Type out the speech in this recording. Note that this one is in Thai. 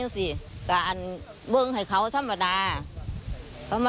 ที่บอกว่าเป็น